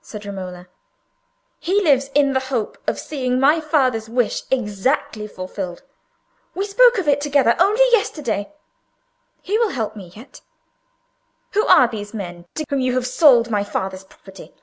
said Romola. "He lives in the hope of seeing my father's wish exactly fulfilled. We spoke of it together only yesterday. He will help me yet. Who are these men to whom you have sold my father's property?"